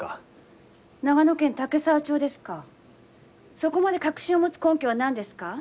そこまで確信を持つ根拠は何ですか？